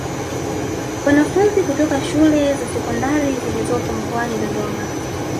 Wanafunzi kutoka shule za Sekondari zilizopo mkoani Dodoma